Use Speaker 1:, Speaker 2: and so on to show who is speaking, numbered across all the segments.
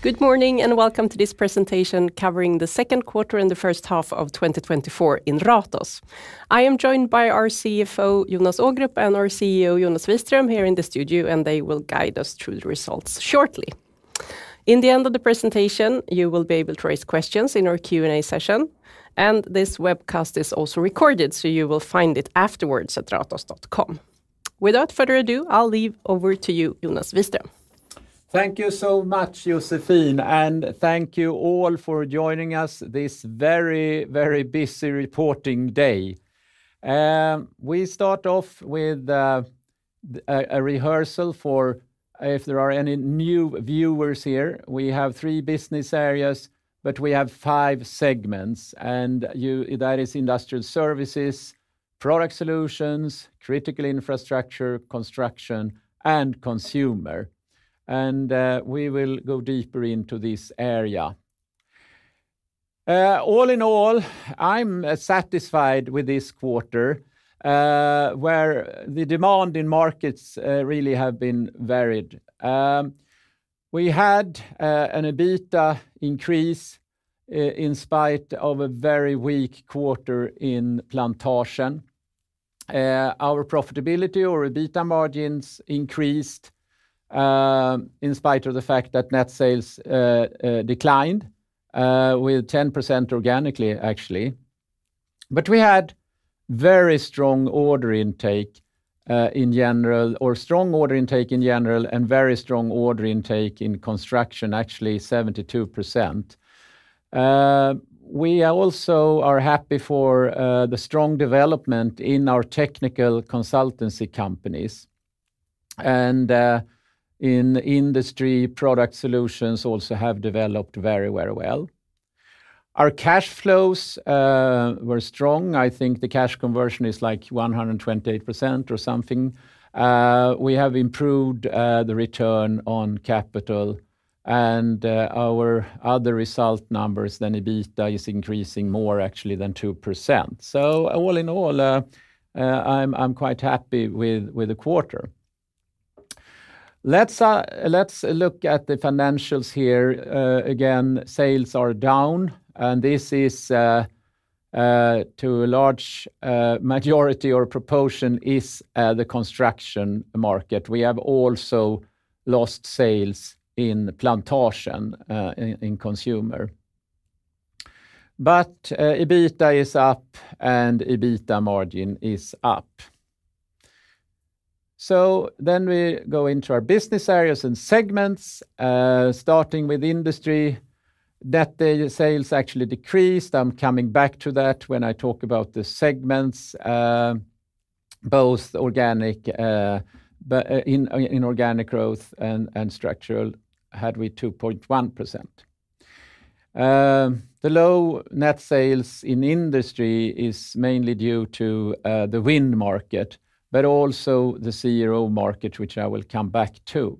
Speaker 1: Good morning, and welcome to this presentation covering the second quarter and the first half of 2024 in Ratos. I am joined by our CFO, Jonas Ågrup, and our CEO, Jonas Wiström, here in the studio, and they will guide us through the results shortly. In the end of the presentation, you will be able to raise questions in our Q&A session, and this webcast is also recorded, so you will find it afterwards at ratos.com. Without further ado, I'll leave over to you, Jonas Wiström.
Speaker 2: Thank you so much, Josefine, and thank you all for joining us this very, very busy reporting day. We start off with a rehearsal for if there are any new viewers here. We have three business areas, but we have five segments, and that is industrial services, product solutions, critical infrastructure, construction and services, and consumer. We will go deeper into this area. All in all, I'm satisfied with this quarter, where the demand in markets really have been varied. We had an EBITDA increase in spite of a very weak quarter in Plantasjen. Our profitability or EBITDA margins increased in spite of the fact that net sales declined with 10% organically, actually. But we had very strong order intake in general or strong order intake in general, and very strong order intake in construction, actually 72%. We also are happy for the strong development in our technical consultancy companies, and in industry, product solutions also have developed very, very well. Our cash flows were strong. I think the cash conversion is like 128% or something. We have improved the return on capital and our other result numbers, then EBITDA is increasing more actually than 2%. So all in all, I'm quite happy with the quarter. Let's look at the financials here. Again, sales are down, and this is to a large majority or proportion is the construction market. We have also lost sales in Plantasjen, in consumer. But EBITDA is up, and EBITDA margin is up. So then we go into our business areas and segments, starting with industry, that the sales actually decreased. I'm coming back to that when I talk about the segments, both organic but inorganic growth and structural, had we 2.1%. The low net sales in industry is mainly due to the wind market, but also the CRO market, which I will come back to.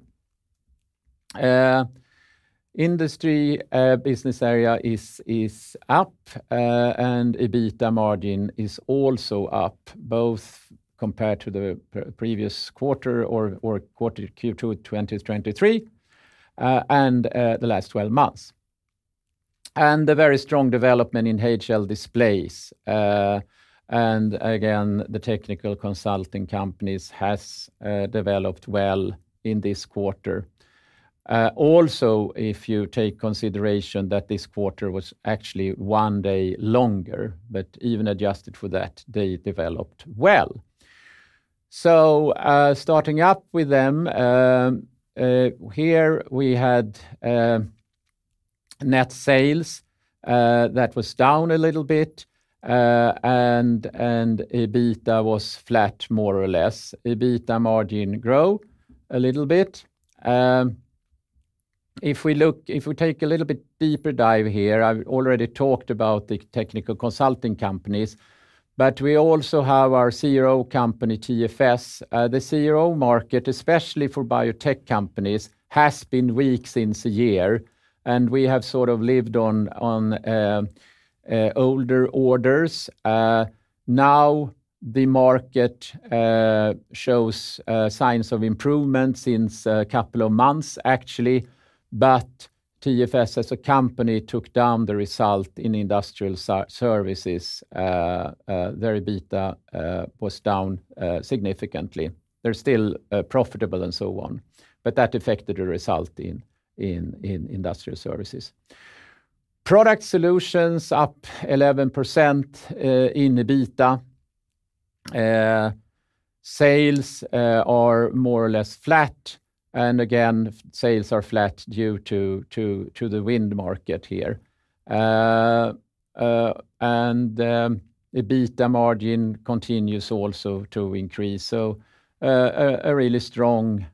Speaker 2: Industry business area is up, and EBITDA margin is also up, both compared to the previous quarter or quarter Q2 2023, and the last twelve months. And the very strong development in HL Display, and again, the technical consulting companies has developed well in this quarter. Also, if you take consideration that this quarter was actually one day longer, but even adjusted for that, they developed well. So, starting up with them, here, we had net sales that was down a little bit, and EBITDA was flat, more or less. EBITDA margin grow a little bit. If we look-- if we take a little bit deeper dive here, I've already talked about the technical consulting companies, but we also have our CRO company, TFS. The CRO market, especially for biotech companies, has been weak since a year, and we have sort of lived on older orders. Now, the market shows signs of improvement since a couple of months, actually, but TFS, as a company, took down the result in industrial services. Their EBITDA was down significantly. They're still profitable and so on, but that affected the result in industrial services. Product solutions up 11% in EBITDA. Sales are more or less flat, and again, sales are flat due to the wind market here. And EBITDA margin continues also to increase, so a really strong,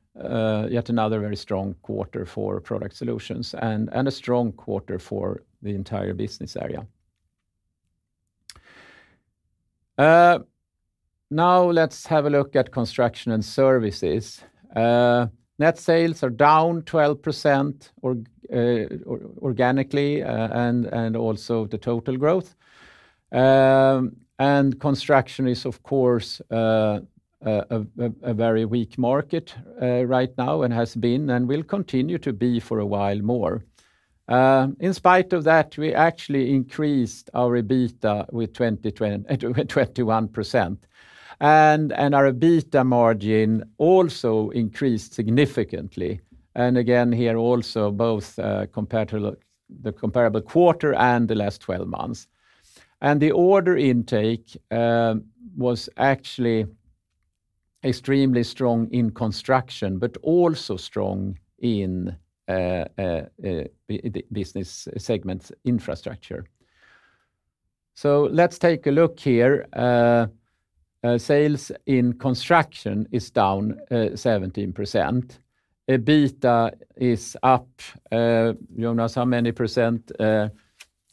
Speaker 2: yet another very strong quarter for product solutions and a strong quarter for the entire business area. Now let's have a look at construction and services. Net sales are down 12% organically, and also the total growth. And construction is, of course, a very weak market right now, and has been, and will continue to be for a while more. In spite of that, we actually increased our EBITDA with 21%. And our EBITDA margin also increased significantly. And again, here also both compared to the comparable quarter and the last twelve months. And the order intake was actually extremely strong in Construction, but also strong in the business segment Infrastructure. So let's take a look here. Sales in Construction is down 17%. EBITDA is up, Jonas, how many percent?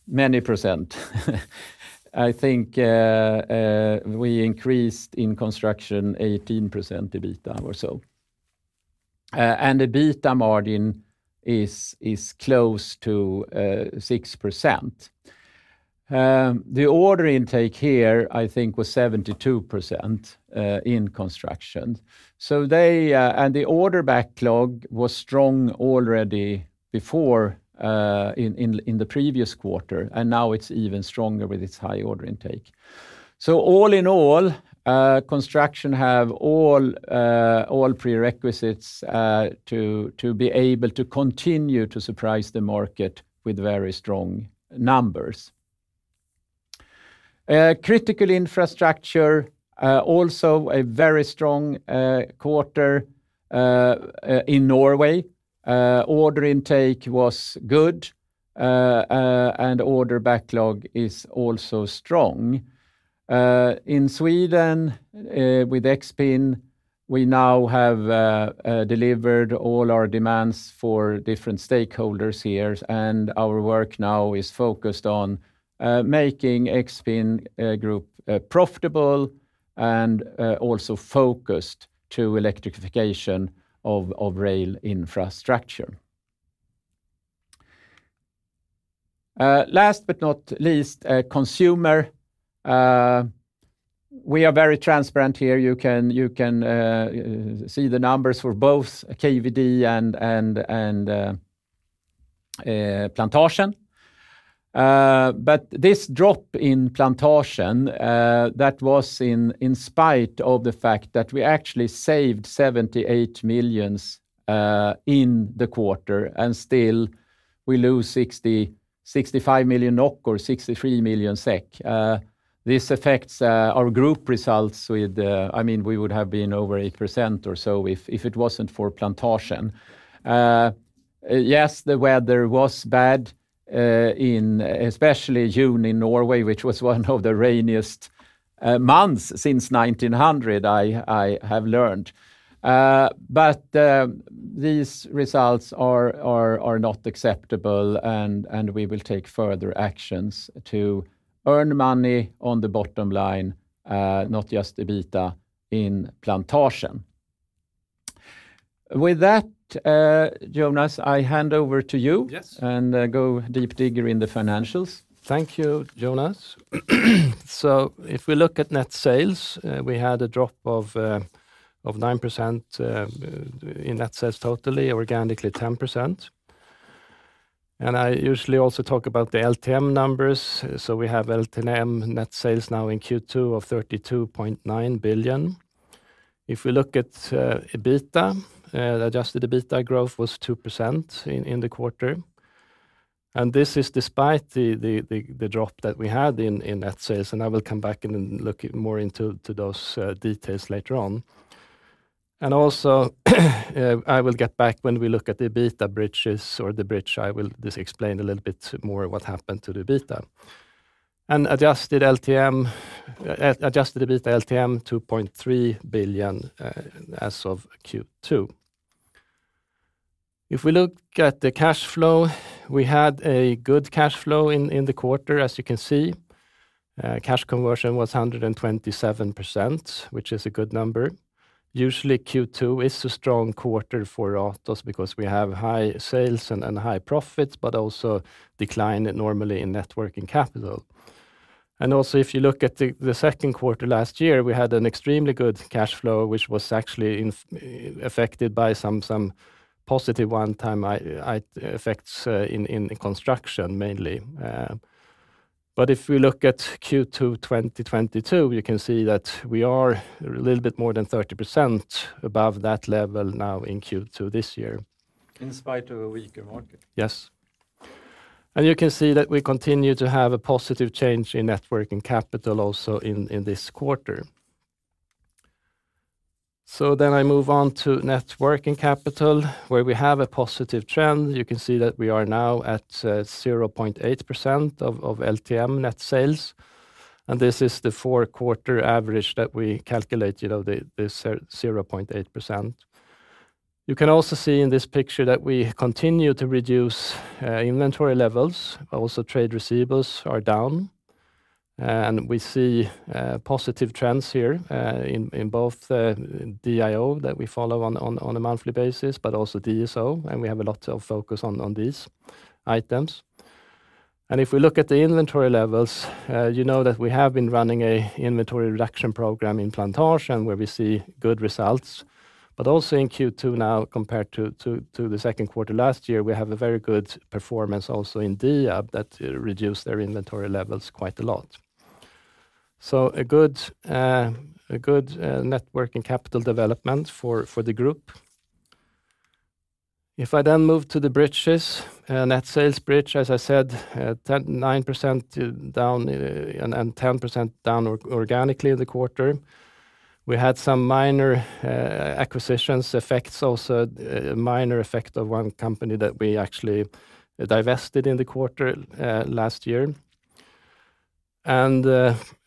Speaker 2: Many percent. I think we increased in Construction 18% EBITDA or so. And EBITDA margin is close to 6%. The order intake here, I think, was 72% in Construction. So they and the order backlog was strong already before in the previous quarter, and now it's even stronger with its high order intake. So all in all, Construction have all prerequisites to be able to continue to surprise the market with very strong numbers. Critical Infrastructure also a very strong quarter in Norway. Order intake was good, and order backlog is also strong. In Sweden, with Exin, we now have delivered all our demands for different stakeholders here, and our work now is focused on making Exin Group profitable and also focused to electrification of rail infrastructure. Last but not least, Consumer. We are very transparent here. You can see the numbers for both KVD and Plantasjen. But this drop in Plantasjen, that was in spite of the fact that we actually saved 78 million in the quarter, and still we lose 65 million NOK or 63 million SEK. This affects our group results with... I mean, we would have been over 8% or so if it wasn't for Plantasjen. Yes, the weather was bad in especially June in Norway, which was one of the rainiest months since 1900, I have learned. But these results are not acceptable, and we will take further actions to earn money on the bottom line, not just EBITDA in Plantasjen. With that, Jonas, I hand over to you.
Speaker 3: Yes.
Speaker 2: and go deeper in the financials.
Speaker 3: Thank you, Jonas. So if we look at net sales, we had a drop of 9% in net sales totally, organically 10%. And I usually also talk about the LTM numbers. So we have LTM net sales now in Q2 of 32.9 billion. If we look at EBITDA, adjusted EBITDA growth was 2% in the quarter, and this is despite the drop that we had in net sales, and I will come back and then look more into those details later on. And also, I will get back when we look at the EBITDA bridges or the bridge, I will just explain a little bit more what happened to the EBITDA. And adjusted LTM adjusted EBITDA LTM 2.3 billion as of Q2. If we look at the cash flow, we had a good cash flow in, in the quarter. As you can see, cash conversion was 127%, which is a good number. Usually, Q2 is a strong quarter for Ratos because we have high sales and, and high profits, but also decline normally in net working capital. And also, if you look at the, the second quarter last year, we had an extremely good cash flow, which was actually affected by some, some positive one-time effects, in Construction, mainly. But if we look at Q2 2022, you can see that we are a little bit more than 30% above that level now in Q2 this year.
Speaker 2: In spite of a weaker market.
Speaker 3: Yes. You can see that we continue to have a positive change in net working capital also in this quarter. So then I move on to net working capital, where we have a positive trend. You can see that we are now at 0.8% of LTM net sales, and this is the four-quarter average that we calculate, you know, the 0.8%. You can also see in this picture that we continue to reduce inventory levels. Also, trade receivables are down, and we see positive trends here in both the DIO that we follow on a monthly basis, but also DSO, and we have a lot of focus on these items. If we look at the inventory levels, you know that we have been running an inventory reduction program in Plantasjen, where we see good results. But also in Q2 now, compared to the second quarter last year, we have a very good performance also in Diab that reduced their inventory levels quite a lot. So a good net working capital development for the group. If I then move to the bridges, net sales bridge, as I said, 9% down, and 10% down organically in the quarter. We had some minor acquisitions effects, also a minor effect of one company that we actually divested in the quarter last year. And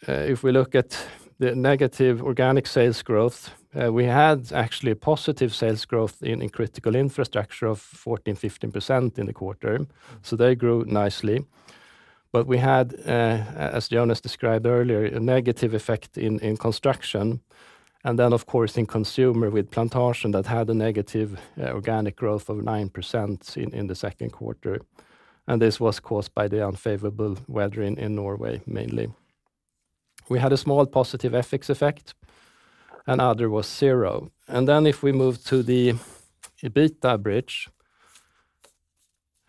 Speaker 3: if we look at the negative organic sales growth, we had actually a positive sales growth in critical infrastructure of 14%-15% in the quarter, so they grew nicely. But we had, as Jonas described earlier, a negative effect in construction, and then, of course, in consumer with Plantasjen that had a negative organic growth of 9% in the second quarter, and this was caused by the unfavorable weather in Norway, mainly. We had a small positive FX effect, and other was zero. Then if we move to the EBITDA bridge,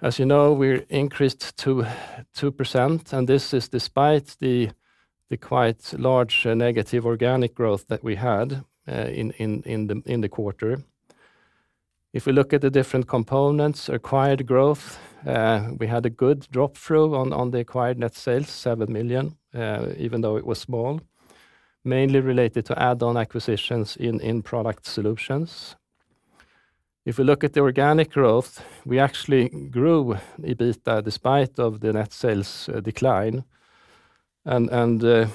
Speaker 3: as you know, we increased to 2%, and this is despite the quite large negative organic growth that we had in the quarter. If we look at the different components, acquired growth, we had a good drop-through on the acquired net sales, 7 million, even though it was small, mainly related to add-on acquisitions in product solutions. If we look at the organic growth, we actually grew EBITDA despite of the net sales decline. And the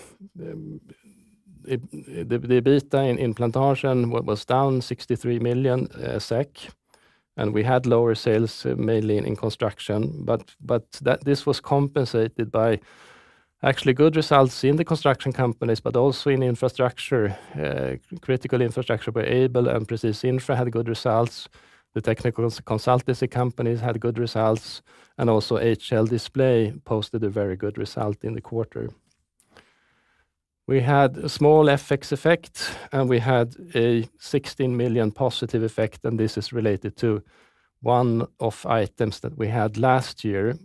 Speaker 3: EBITDA in Plantasjen was down 63 million SEK, and we had lower sales, mainly in construction. But this was compensated by actually good results in the construction companies, but also in infrastructure, critical infrastructure, where Aibel and Presis Infra had good results. The technical consultancy companies had good results, and also HL Display posted a very good result in the quarter. We had a small FX effect, and we had a 16 million positive effect, and this is related to one of items that we had last year,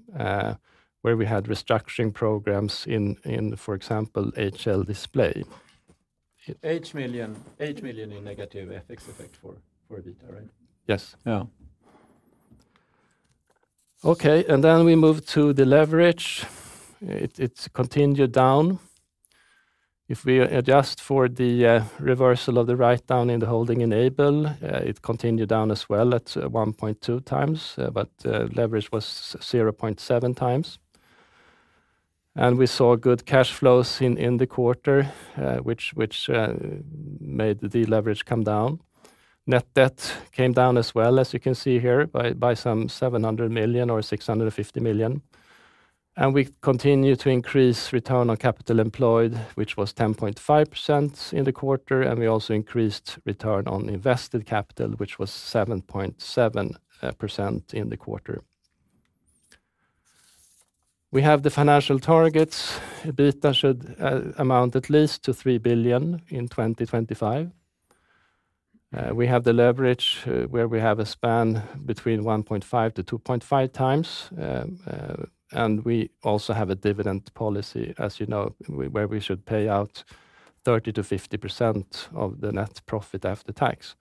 Speaker 3: where we had restructuring programs in, for example, HL Display.
Speaker 2: 8 million, 8 million in negative FX effect for EBITDA, right?
Speaker 3: Yes.
Speaker 2: Yeah.
Speaker 3: Okay, and then we move to the leverage. It's continued down. If we adjust for the reversal of the write-down in the holding Aibel, it continued down as well at 1.2 times, but leverage was 0.7 times. And we saw good cash flows in the quarter, which made the leverage come down. Net debt came down as well as you can see here, by some 700 million or 650 million, and we continued to increase return on capital employed, which was 10.5% in the quarter, and we also increased return on invested capital, which was 7.7% in the quarter. We have the financial targets. EBITDA should amount at least to 3 billion in 2025. We have the leverage where we have a span between 1.5-2.5 times. And we also have a dividend policy, as you know, where we should pay out 30%-50% of the net profit after tax.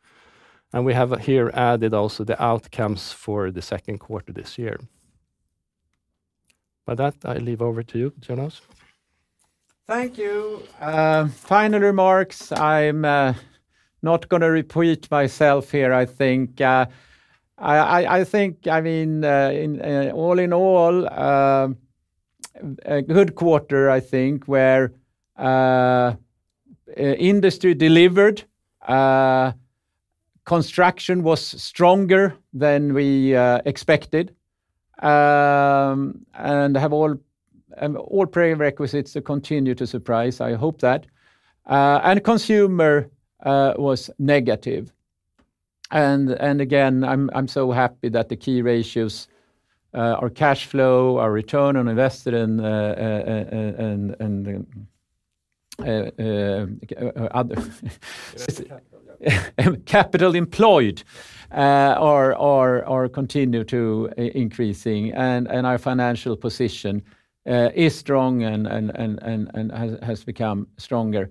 Speaker 3: We have here added also the outcomes for the second quarter this year. With that, I hand over to you, Jonas.
Speaker 2: Thank you. Final remarks, I'm not gonna repeat myself here, I think. I mean, all in all, a good quarter, I think, where industry delivered, construction was stronger than we expected. And have all prerequisites to continue to surprise, I hope that. And consumer was negative. And again, I'm so happy that the key ratios, our cash flow, our return on invested, and other-
Speaker 3: capital employed
Speaker 2: ...capital employed are continuing to increase, and our financial position is strong and has become stronger.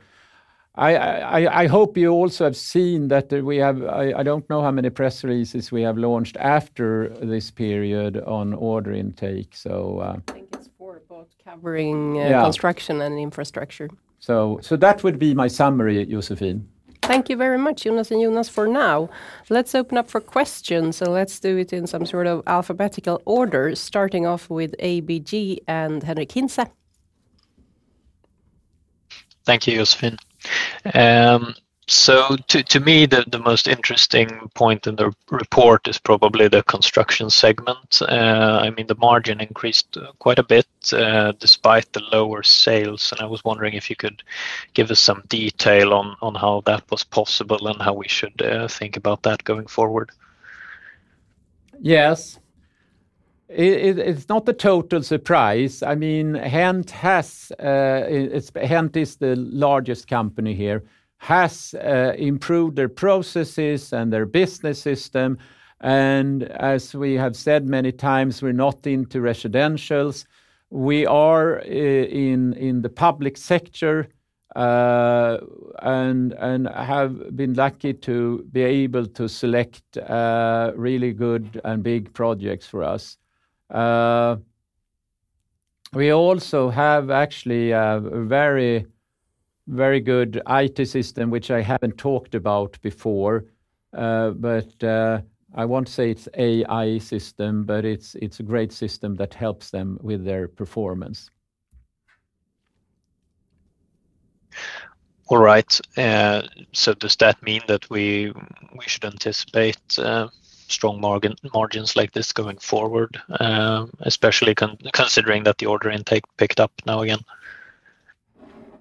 Speaker 2: I hope you also have seen that we have. I don't know how many press releases we have launched after this period on order intake, so
Speaker 1: I think it's for both covering-
Speaker 2: Yeah...
Speaker 1: construction and infrastructure.
Speaker 2: So, that would be my summary, Josefine.
Speaker 1: Thank you very much, Jonas and Jonas, for now. Let's open up for questions, so let's do it in some sort of alphabetical order, starting off with ABG and Henric Hintze.
Speaker 4: Thank you, Josefine. So, to me, the most interesting point in the report is probably the construction segment. I mean, the margin increased quite a bit, despite the lower sales, and I was wondering if you could give us some detail on how that was possible and how we should think about that going forward?
Speaker 2: Yes, it's not a total surprise. I mean, HENT has, HENT is the largest company here, has improved their processes and their business system. As we have said many times, we're not into residentials. We are in the public sector, and have been lucky to be able to select really good and big projects for us. We also have actually a very, very good IT system, which I haven't talked about before. I won't say it's AI system, but it's a great system that helps them with their performance.
Speaker 4: All right. So does that mean that we should anticipate strong margin, margins like this going forward, especially considering that the order intake picked up now again?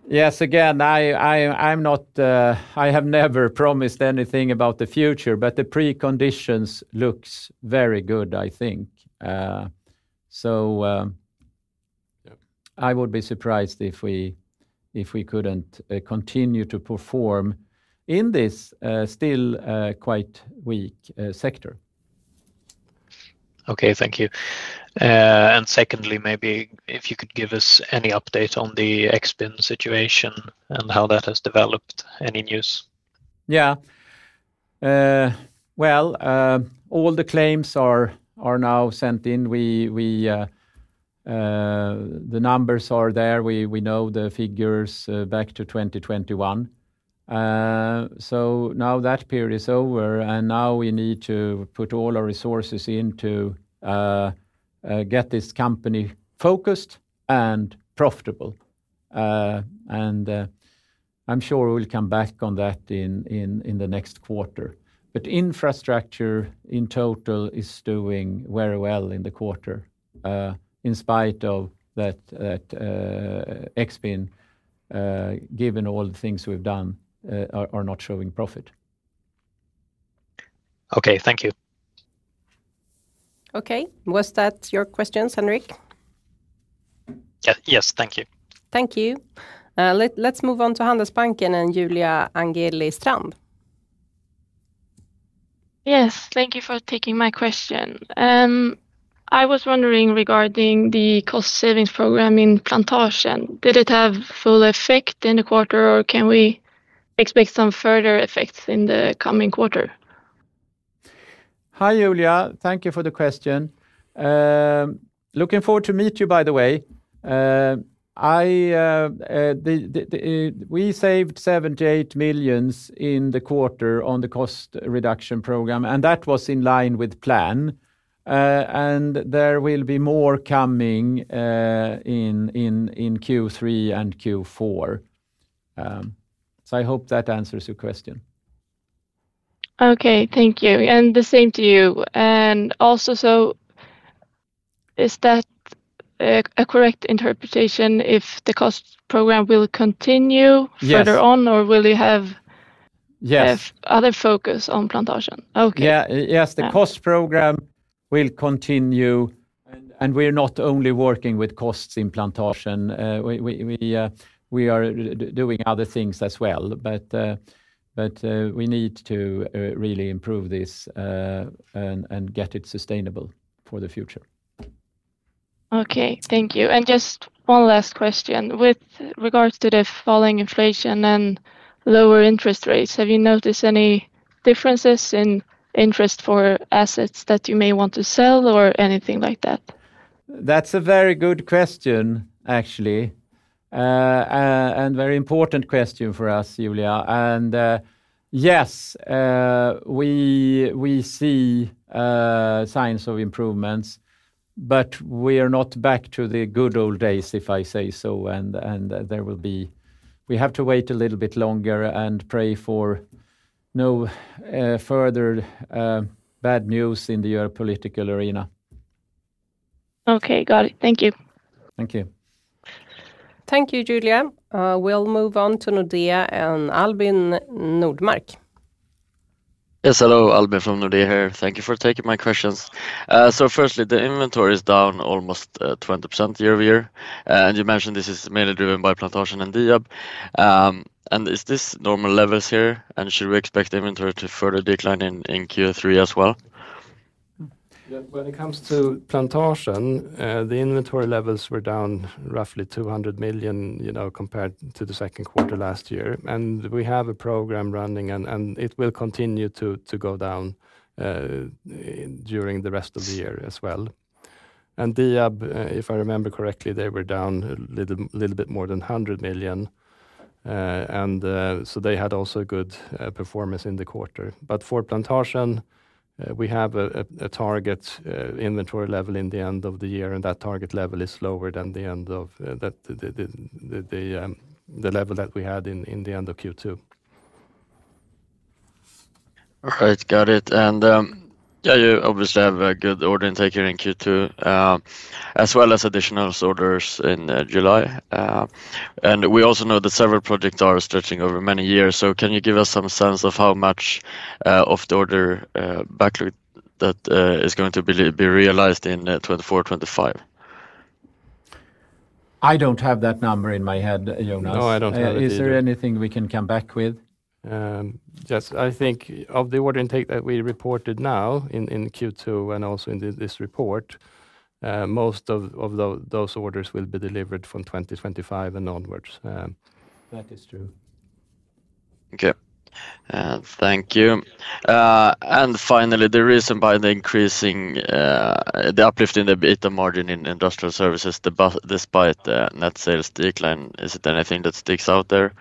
Speaker 2: Yes. Again, I'm not... I have never promised anything about the future, but the preconditions looks very good, I think. So,
Speaker 4: Yep...
Speaker 2: I would be surprised if we couldn't continue to perform in this still quite weak sector.
Speaker 4: Okay, thank you. And secondly, maybe if you could give us any update on the Exin situation and how that has developed. Any news?
Speaker 2: Yeah. Well, all the claims are now sent in. We, the numbers are there. We know the figures back to 2021. So now that period is over, and now we need to put all our resources in to get this company focused and profitable. And, I'm sure we'll come back on that in the next quarter. But infrastructure, in total, is doing very well in the quarter, in spite of that, Exin, given all the things we've done, are not showing profit.
Speaker 4: Okay, thank you.
Speaker 1: Okay. Was that your questions, Henrik?
Speaker 4: Yeah. Yes, thank you.
Speaker 1: Thank you. Let's move on to Handelsbanken and Julia Angeli Strand.
Speaker 5: Yes, thank you for taking my question. I was wondering, regarding the cost savings program in Plantasjen, did it have full effect in the quarter, or can we expect some further effects in the coming quarter?
Speaker 2: Hi, Julia. Thank you for the question. Looking forward to meet you, by the way. We saved 78 million in the quarter on the cost reduction program, and that was in line with plan. There will be more coming in Q3 and Q4. So I hope that answers your question.
Speaker 5: Okay, thank you, and the same to you. So, is that a correct interpretation if the cost program will continue-
Speaker 2: Yes...
Speaker 5: further on, or will you have-
Speaker 2: Yes...
Speaker 5: other focus on Plantasjen? Okay.
Speaker 2: Yeah. Yes, the cost program will continue, and we're not only working with costs in Plantasjen, we are doing other things as well. But, we need to really improve this, and get it sustainable for the future.
Speaker 5: Okay, thank you. Just one last question. With regards to the falling inflation and lower interest rates, have you noticed any differences in interest for assets that you may want to sell or anything like that?
Speaker 2: That's a very good question, actually, and very important question for us, Julia. Yes, we see signs of improvements, but we are not back to the good old days, if I say so. There will be... We have to wait a little bit longer and pray for no further bad news in the political arena.
Speaker 5: Okay, got it. Thank you.
Speaker 2: Thank you.
Speaker 1: Thank you, Julia. We'll move on to Nordea and Albin Nordmark.
Speaker 6: Yes, hello, Albin from Nordea here. Thank you for taking my questions. So firstly, the inventory is down almost 20% year-over-year, and you mentioned this is mainly driven by Plantasjen and Diab. And is this normal levels here, and should we expect inventory to further decline in Q3 as well?
Speaker 3: Yeah, when it comes to Plantasjen, the inventory levels were down roughly 200 million, you know, compared to the second quarter last year. And we have a program running, and it will continue to go down during the rest of the year as well. And Diab, if I remember correctly, they were down a little bit more than 100 million, and so they had also a good performance in the quarter. But for Plantasjen, we have a target inventory level in the end of the year, and that target level is lower than the end of the level that we had in the end of Q2.
Speaker 6: All right, got it. And, yeah, you obviously have a good order intake here in Q2, as well as additional orders in July. And we also know that several projects are stretching over many years. So can you give us some sense of how much of the order backlog that is going to be realized in 2024, 2025?
Speaker 2: I don't have that number in my head, Jonas.
Speaker 6: No, I don't have it either.
Speaker 2: Is there anything we can come back with?
Speaker 3: Yes, I think of the order intake that we reported now in Q2, and also in this report, most of those orders will be delivered from 2025 and onwards.
Speaker 2: That is true.
Speaker 6: Okay, thank you. And finally, the reason behind the increasing, the uplift in the EBITDA margin in industrial services despite the net sales decline, is there anything that sticks out there?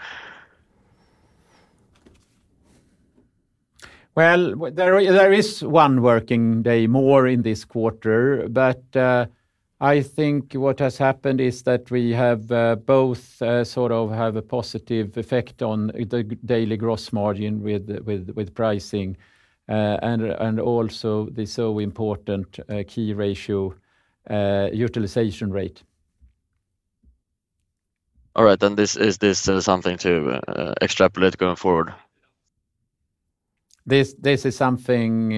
Speaker 2: Well, there is one working day more in this quarter, but I think what has happened is that we have both sort of have a positive effect on the daily gross margin with pricing, and also the so important key ratio, utilization rate.
Speaker 6: All right, then this is this something to extrapolate going forward?
Speaker 2: This is something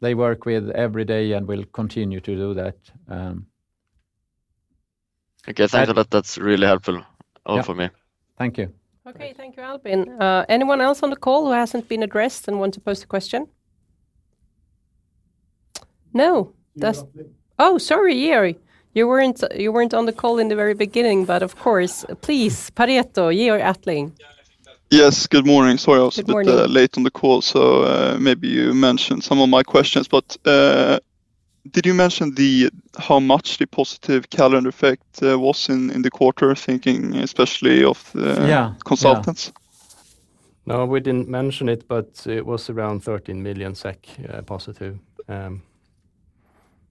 Speaker 2: they work with every day, and will continue to do that.
Speaker 6: Okay. Thank you, that, that's really helpful-
Speaker 2: Yeah.
Speaker 6: -for me.
Speaker 2: Thank you.
Speaker 1: Okay. Thank you, Albin. Anyone else on the call who hasn't been addressed and want to pose a question? No, that's...
Speaker 3: Georg Attling.
Speaker 1: Oh, sorry, Georg, you weren't, you weren't on the call in the very beginning, but, of course, please, Pareto, Georg Attling.
Speaker 7: Yes, good morning. Sorry, I was a bit,
Speaker 1: Good morning...
Speaker 7: late on the call, so, maybe you mentioned some of my questions, but, did you mention the—how much the positive calendar effect was in the quarter? Thinking especially of the-
Speaker 2: Yeah. Yeah...
Speaker 7: consultants.
Speaker 3: No, we didn't mention it, but it was around 13 million SEK, positive.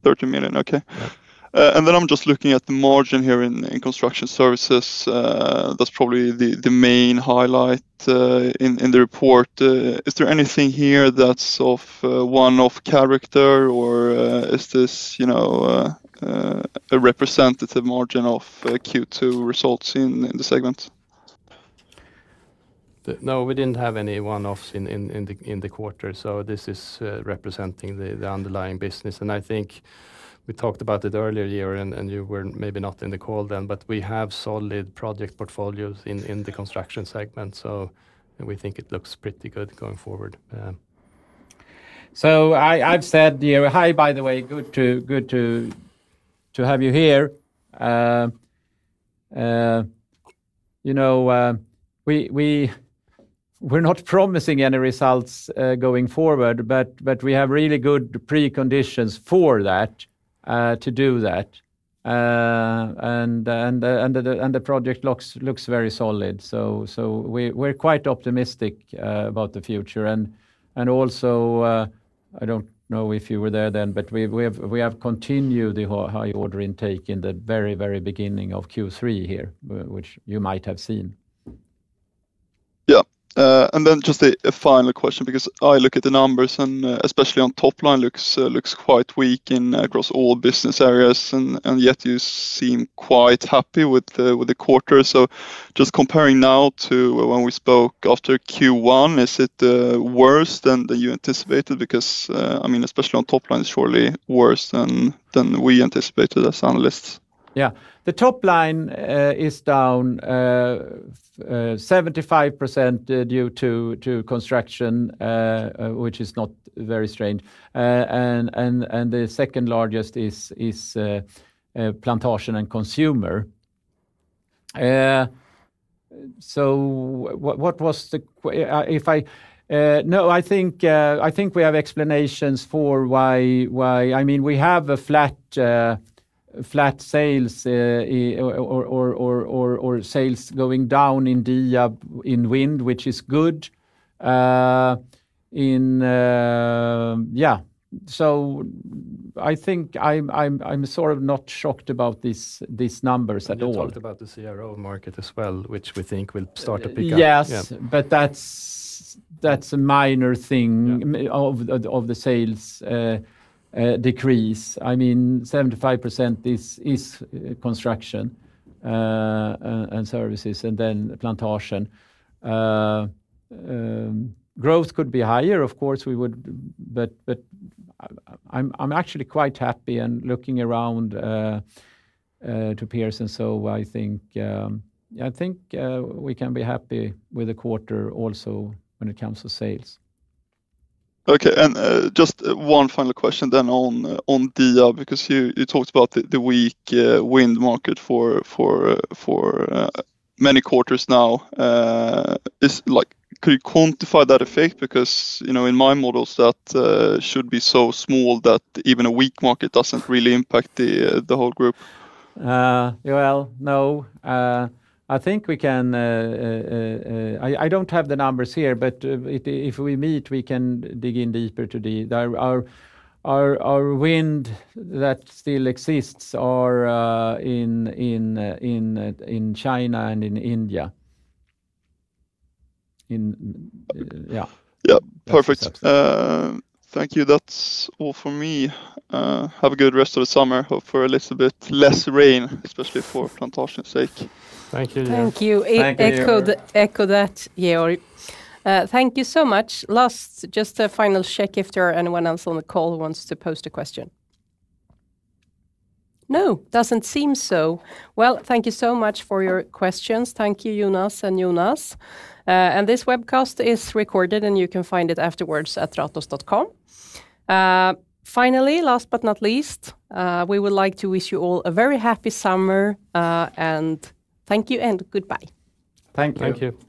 Speaker 7: 13 million, okay.
Speaker 3: Yeah.
Speaker 7: And then I'm just looking at the margin here in construction services. That's probably the main highlight in the report. Is there anything here that's of one-off character or is this, you know, a representative margin of Q2 results in the segment?
Speaker 3: No, we didn't have any one-offs in the quarter, so this is representing the underlying business. I think we talked about it earlier, Georg, and you were maybe not in the call then, but we have solid project portfolios in the construction segment, so we think it looks pretty good going forward.
Speaker 2: So I've said, Georg, hi, by the way. Good to have you here. You know, we're not promising any results going forward, but we have really good preconditions for that, to do that. And the project looks very solid. So we're quite optimistic about the future. And also, I don't know if you were there then, but we have continued the high order intake in the very beginning of Q3 here, which you might have seen.
Speaker 7: Yeah. And then just a final question, because I look at the numbers, and especially on top line, looks quite weak across all business areas, and yet you seem quite happy with the quarter. So just comparing now to when we spoke after Q1, is it worse than you anticipated? Because, I mean, especially on top line, is surely worse than we anticipated as analysts.
Speaker 2: Yeah. The top line is down 75% due to construction, which is not very strange. And the second largest is Plantasjen and consumer. So what was the que- if I... No, I think we have explanations for why why-- I mean, we have a flat sales or sales going down in the in wind, which is good. In... Yeah, so I think I'm sort of not shocked about these numbers at all.
Speaker 3: We talked about the CRO market as well, which we think will start to pick up.
Speaker 2: Yes.
Speaker 3: Yeah.
Speaker 2: But that's a minor thing-
Speaker 3: Yeah...
Speaker 2: of the sales decrease. I mean, 75% is construction and services, and then Plantasjen. Growth could be higher, of course, we would, but I'm actually quite happy and looking around to peers, and so I think, I think we can be happy with the quarter also when it comes to sales.
Speaker 7: Okay, and, just one final question then on the, because you talked about the weak wind market for many quarters now. Could you quantify that effect? Because, you know, in my models, that should be so small that even a weak market doesn't really impact the whole group.
Speaker 2: Well, no, I think we can. I don't have the numbers here, but if we meet, we can dig in deeper to our wind that still exists, are in China and in India. Yeah.
Speaker 7: Yeah.
Speaker 2: That's-
Speaker 7: Perfect. Thank you. That's all for me. Have a good rest of the summer. Hope for a little bit less rain, especially for Plantasjen's sake.
Speaker 3: Thank you, Georg.
Speaker 1: Thank you.
Speaker 2: Thank you.
Speaker 1: Echo that, Georg. Thank you so much. Last, just a final check if there are anyone else on the call who wants to pose a question. No, doesn't seem so. Well, thank you so much for your questions. Thank you, Jonas and Jonas. And this webcast is recorded, and you can find it afterwards at Ratos.com. Finally, last but not least, we would like to wish you all a very happy summer, and thank you and goodbye.
Speaker 2: Thank you.
Speaker 3: Thank you.